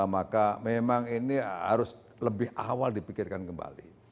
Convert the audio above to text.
maka memang ini harus lebih awal dipikirkan kembali